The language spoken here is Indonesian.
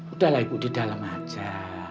udah lah ibu di dalam aja